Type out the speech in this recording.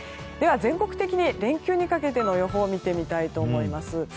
全国的に連休にかけての予報を見てみたいと思います。